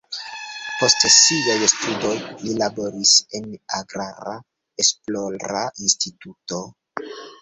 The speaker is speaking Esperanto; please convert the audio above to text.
Post siaj studoj li laboris en agrara esplora instituto.